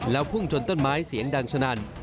แล้วพุ่งจนต้นไม้เสียงดังชนั่น